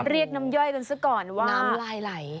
เรียกน้ำย่อยกันซะก่อนว่าน้ำลายไหล